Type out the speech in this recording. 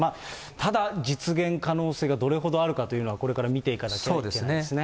ただ、実現可能性がどれほどあるかというのは、これから見ていかなきゃいけないですね。